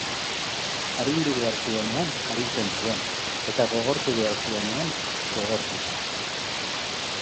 Arindu behar zuenean arintzen zuen, eta gogortu behar zuenean gogortu.